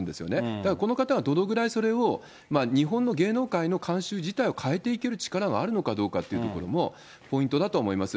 だからこの方がどのぐらいそれを日本の芸能界の慣習自体を変えていける力があるのかどうかというところもポイントだと思います。